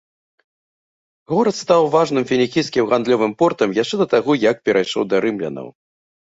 Горад стаў важным фінікійскім гандлёвым портам яшчэ да таго як перайшоў да рымлянаў.